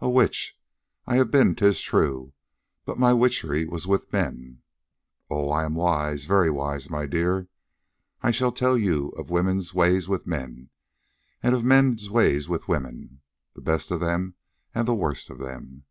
A witch I have been, 'tis true, but my witchery was with men. Oh, I am wise, very wise, my dear. I shall tell you of women's ways with men, and of men's ways with women, the best of them and the worst of them.